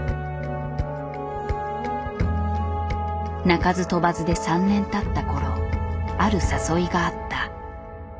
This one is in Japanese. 鳴かず飛ばずで３年たった頃ある誘いがあった。